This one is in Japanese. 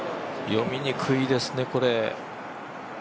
読みにくいですね、これ。